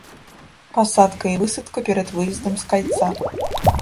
Пасадка і высадка перад выездам з кальца.